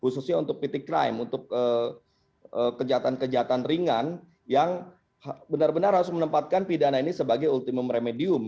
khususnya untuk pt crime untuk kejahatan kejahatan ringan yang benar benar harus menempatkan pidana ini sebagai ultimum remedium